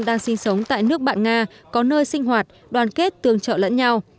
đang sinh sống tại nước bạn nga có nơi sinh hoạt đoàn kết tương trợ lẫn nhau